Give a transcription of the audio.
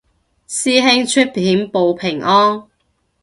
師兄出片報平安